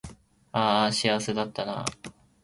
あーあ幸せだったなー